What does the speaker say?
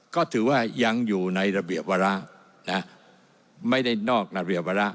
ก็ถือว่ายังอยู่ในระเบียบวาระไม่ได้นอกระเบียบวาระ